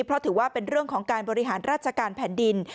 เพราะถือว่าเป็นเรื่องของการบริหารราชการแผ่นดิน